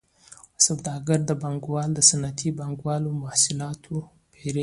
سوداګر پانګوال د صنعتي پانګوالو محصولات پېري